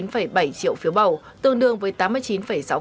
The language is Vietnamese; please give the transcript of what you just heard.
ncc đã nhận được ba mươi chín bảy triệu phiếu bầu tương đương với tám mươi chín sáu